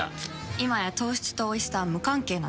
今や糖質とおいしさは無関係なんです。